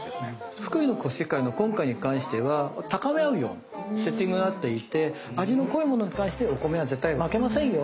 福井のコシヒカリの今回に関しては高め合うようにセッティングなっていて味の濃いものに対してお米は絶対負けませんよと。